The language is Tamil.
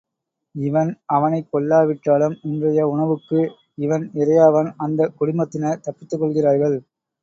இவன் அவனைக் கொள்ளாவிட்டாலும் இன்றைய உணவுக்கு இவன் இரையாவான் அந்தக் குடும்பத்தினர் தப்பித்துக் கொள்கிறார்கள்.